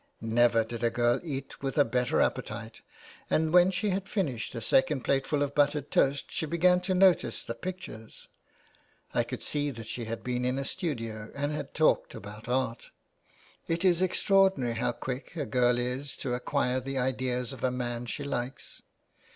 Never did a girl eat with a better appetite, and when she had finished a second plateful of buttered toast she began to notice the 401 2 C THE WAY BACK. pictures. I could see that she had been in a studio and had talked about art. It is extraordinary how quick a girl is to acquire the ideas of a man she likes.